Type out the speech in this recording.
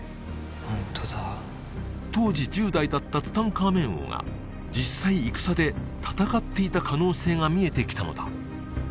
ホントだ当時１０代だったツタンカーメン王が実際戦で戦っていた可能性が見えてきたのだ